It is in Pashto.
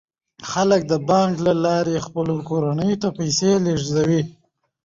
خلک د بانک له لارې خپلو کورنیو ته پیسې لیږدوي.